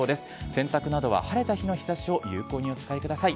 洗濯などは晴れた日の日ざしを有効にお使いください。